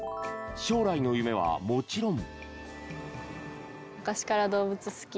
将来の夢は、もちろん。